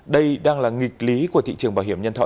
đây đang là nghịch lý của thị trường bảo hiểm nhân thọ